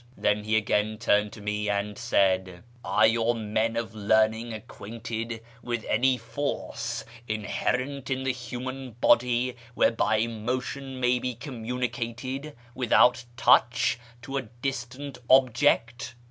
Then he again turned to me, and said —" Are your men of learning acquainted with any force inherent in the human body M hereby motion may be communi cated, without touch, to a distant object